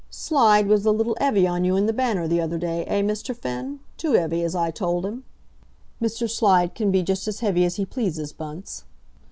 "Slide was a little 'eavy on you in the Banner the other day, eh, Mr. Finn? too 'eavy, as I told him." "Mr. Slide can be just as heavy as he pleases, Bunce."